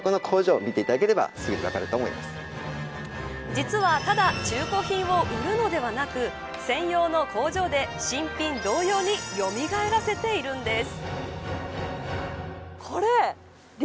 実はただ中古品を売るのではなく専用の工場で新品同様によみがえらせているんです。